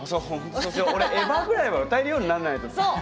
俺、エヴァぐらいは歌えるようにならないと。